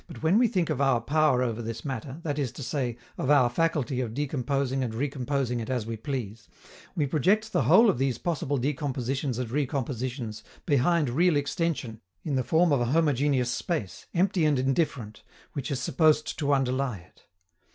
But when we think of our power over this matter, that is to say, of our faculty of decomposing and recomposing it as we please, we project the whole of these possible decompositions and recompositions behind real extension in the form of a homogeneous space, empty and indifferent, which is supposed to underlie it.